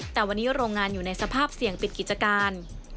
แต่วันนี้โรงงานอยู่ในสภาพเสี่ยงปิดกิจการ